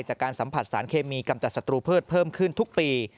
จากการสัมผัสสารเคมีกำจัดศัตรูพืชเพิ่มขึ้นทุกปี